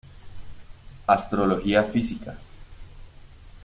Astrología Física.